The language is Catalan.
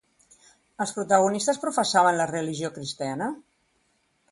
Els protagonistes professaven la religió cristiana?